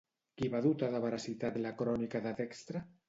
Qui va dotar de veracitat la Crònica de Dextre?